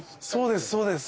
そうです